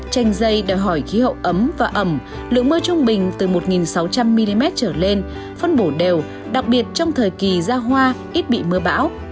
chanh dây đòi hỏi khí hậu ấm và ẩm lượng mưa trung bình từ một sáu trăm linh mm trở lên phân bổ đều đặc biệt trong thời kỳ ra hoa ít bị mưa bão